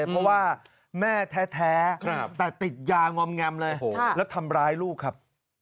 กำดนะครับ